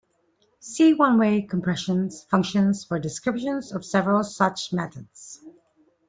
See one-way compression function for descriptions of several such methods.